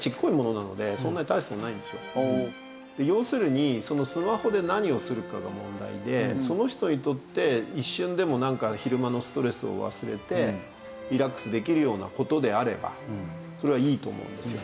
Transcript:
要するにスマホで何をするかが問題でその人にとって一瞬でもなんか昼間のストレスを忘れてリラックスできるような事であればそれはいいと思うんですよ。